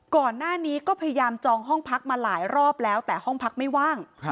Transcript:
ก่อนหน้านี้ก็พยายามจองห้องพักมาหลายรอบแล้วแต่ห้องพักไม่ว่าง